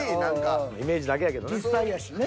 まあイメージだけやけどな。